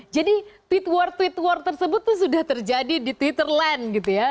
jadi tweet war tweet war tersebut tuh sudah terjadi di twitter land gitu ya